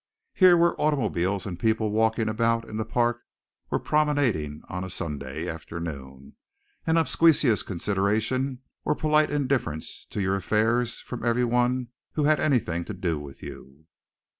Here were automobiles and people walking in the park or promenading on a Sunday afternoon, and obsequious consideration or polite indifference to your affairs from everyone who had anything to do with you.